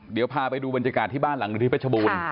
เดี๋ยวพาไปดูบรรจกาลที่บ้านหลังดนตรีภาชบูรณ์